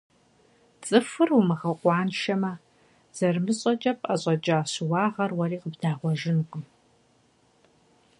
Цӏыхур умыгъэкъуаншэмэ, зэрымыщӀэкӀэ пӀэщӀэкӀа щыуагъэр уэри къыбдагъуэжынкъым.